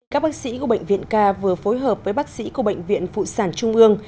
các bác sĩ của bệnh viện k vừa phối hợp với bác sĩ của bệnh viện phụ sản trung ương